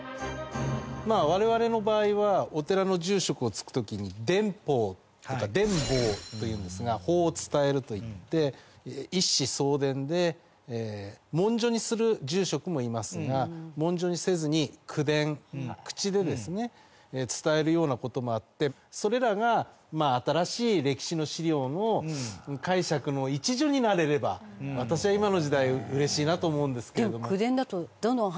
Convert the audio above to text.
我々の場合はお寺の住職を継ぐ時に伝法とかでんぼうというんですが「法を伝える」といって一子相伝で文書にする住職もいますが文書にせずに口伝口で伝えるような事もあってそれらが新しい歴史の資料の解釈の一助になれれば私は今の時代嬉しいなと思うんですけれども。